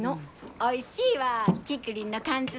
おいしいわあキクリンの缶詰！